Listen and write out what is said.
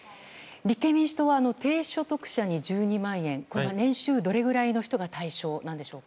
立憲民主党は低所得者に１２万円、これが年収どのぐらいの人が対象なんでしょうか？